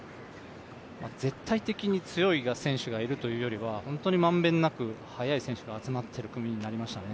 絶対的に強い選手がいるというよりは本当に満遍なく速い選手が集まっている組になりましたね。